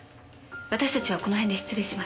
私たちはこの辺で失礼します。